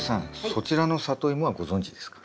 そちらのサトイモはご存じですか？